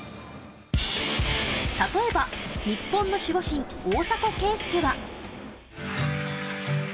例えば日本の守護神・大迫敬介は。